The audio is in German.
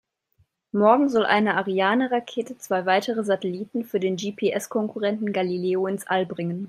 Morgen soll eine Ariane-Rakete zwei weitere Satelliten für den GPS-Konkurrenten Galileo ins All bringen.